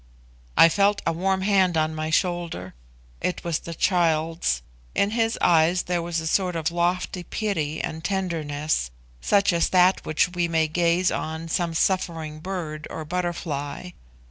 I felt a warm hand on my shoulder; it was the child's. In his eyes there was a sort of lofty pity and tenderness, such as that with which we may gaze on some suffering bird or butterfly.